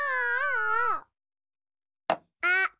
あっ。